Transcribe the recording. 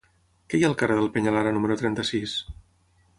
Què hi ha al carrer del Peñalara número trenta-sis?